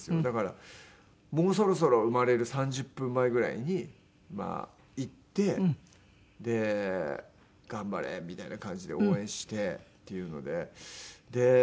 だからもうそろそろ生まれる３０分前ぐらいに行って頑張れみたいな感じで応援してっていうので。